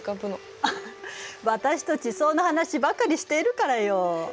あはっ私と地層の話ばかりしているからよ。